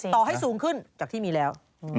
ต่อให้สูงขึ้นจากที่มีแล้ว